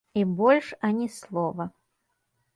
І больш ані слова.